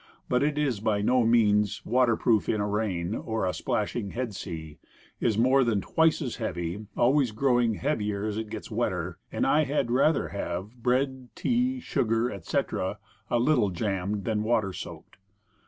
But it is by no means waterproof in a rain or a splashing head sea, is more than twice as heavy always growing heavier as it gets wetter and I had rather have bread, tea, sugar etc., a little jammed than water soaked.